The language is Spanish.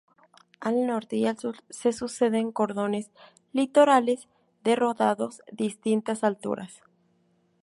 Al norte y al sur se suceden cordones litorales de rodados distintas alturas.